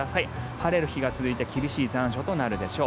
晴れる日が続いて厳しい残暑となるでしょう。